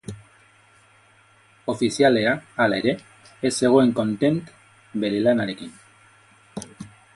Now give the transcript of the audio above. Ofizialea, hala ere, ez zegoen kontent bere lanarekin.